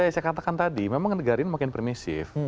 yang saya katakan tadi memang negara ini makin permisif